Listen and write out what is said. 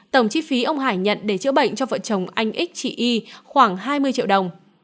tổng chi phí ông hải nhận để chữa bệnh cho vợ chồng anh x chị y khoảng hai mươi triệu đồng